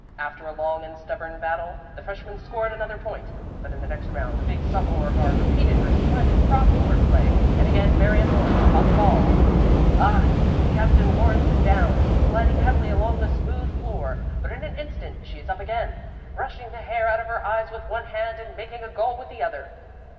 After a long and stubborn battle, the freshmen scored another point. But in the next round the big sophomore guard repeated her splendid 'crossboard play, and again Marion Lawrence caught the ball. Ah! Captain Lawrence is down, sliding heavily along the smooth floor; but in an instant she is up again, brushing the hair out of her eyes with one hand and making a goal with the other.